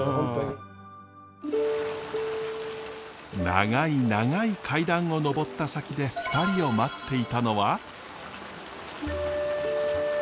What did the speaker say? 長い長い階段を上った先で２人を待っていたのは。